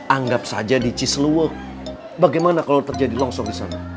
anggap saja di cisluwok bagaimana kalo terjadi longsor disana